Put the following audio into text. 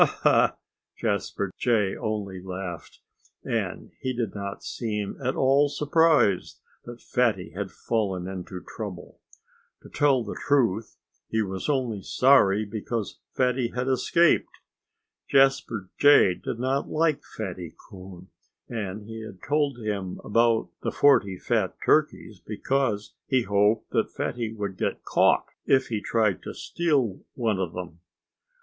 ha!" Jasper Jay only laughed. And he did not seem at all surprised that Fatty had fallen into trouble. To tell the truth, he was only sorry because Fatty had escaped. Jasper Jay did not like Fatty Coon. And he had told him about the forty fat turkeys because he hoped that Fatty would get caught if he tried to steal one of them.